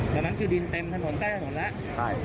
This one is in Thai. ตอนนั้นคือดินเต็มถนนใต้ถนนแล้ว